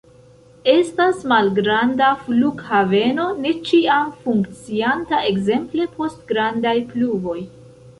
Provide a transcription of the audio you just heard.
Estas malgranda flughaveno ne ĉiam funkcianta, ekzemple post grandaj pluvoj.